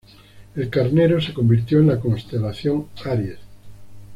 El carnero se convirtió en la constelación Aries.